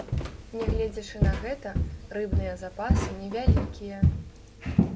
Нягледзячы на гэта, рыбныя запасы невялікія.